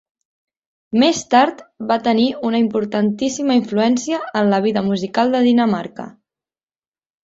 Més tard va tenir una importantíssima influència en la vida musical de Dinamarca.